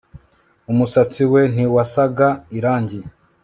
Umusatsi we ntiwasaga irangi